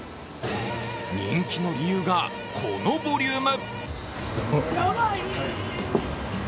人気の理由が、このボリューム。